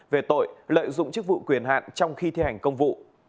về tội lợi dụng chức vụ quyền hạn trong khi thi hành công vụ